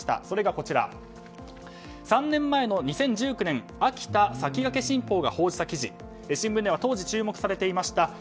それが３年前の２０１９年秋田魁新報が報じた記事新聞では当時注目されていました